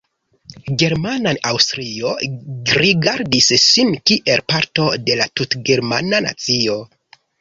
German-Aŭstrio rigardis sin kiel parto de la tutgermana nacio.